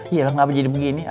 gak bisa jadi begini